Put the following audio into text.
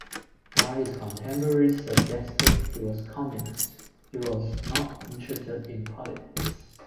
While his contemporaries suggested he was Communist, he was not interested in politics.